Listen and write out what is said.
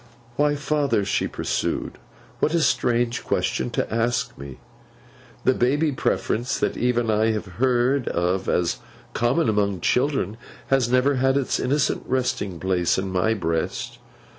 'Why, father,' she pursued, 'what a strange question to ask me! The baby preference that even I have heard of as common among children, has never had its innocent resting place in my breast.